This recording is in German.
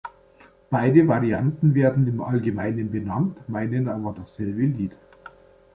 Beide Varianten werden im Allgemeinen benannt, meinen aber dasselbe Lied.